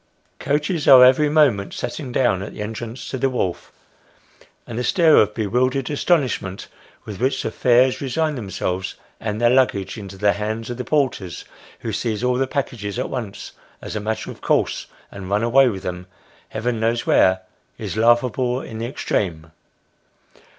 Coaches are every moment setting down at the entrance to the wharf, and the stare of bewildered astonishment with which the "fares" resign themselves and their luggage into the hands of the porters, who seize all the packages at once as a matter of course, and run away with them, Heaven knows where, is laughable in the extreme.